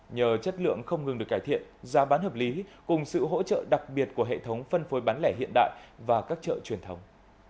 nhờ chất lượng không ngừng được cải thiện giá bán hợp lý cùng sự hỗ trợ đặc biệt của hệ thống phân phối bán lẻ hiện đại và các chợ truyền thống